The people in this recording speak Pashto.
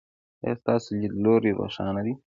ایا ستاسو لید لوری روښانه دی؟